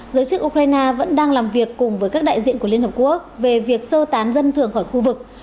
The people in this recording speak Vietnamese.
giới chức ukraine vẫn đang làm việc cùng với các đại diện của liên hợp quốc về việc sơ tán dân thường khỏi khu vực